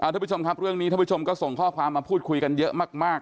ทุกผู้ชมครับเรื่องนี้ท่านผู้ชมก็ส่งข้อความมาพูดคุยกันเยอะมาก